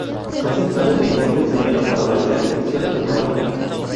Son centrales de incendio diseñadas para realizar extinción automática.